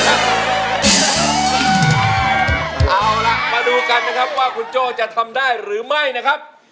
เอาล่ะมาดูกันนะครับว่าคุณโจ้จะทำได้หรือไม่นะครับ